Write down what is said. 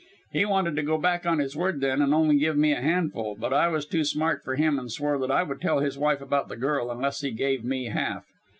He wanted to go back on his word then, and only give me a handful; but I was too smart for him, and swore I would tell his wife about the girl unless he gave me half.